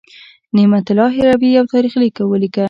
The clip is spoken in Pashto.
نعمت الله هروي یو تاریخ ولیکه.